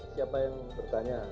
siapa yang bertanya